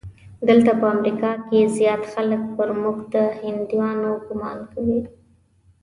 دلته په امریکا کې زیات خلک پر موږ د هندیانو ګومان کوي.